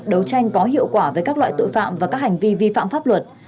đấu tranh có hiệu quả với các loại tội phạm và các hành vi vi phạm pháp luật